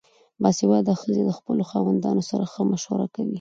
باسواده ښځې د خپلو خاوندانو سره ښه مشوره کوي.